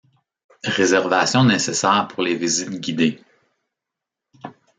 Réservation nécessaire pour les visites guidées.